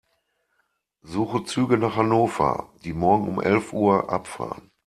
Suche Züge nach Hannover, die morgen um elf Uhr abfahren.